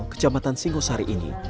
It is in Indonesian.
kecamatan singkosari ini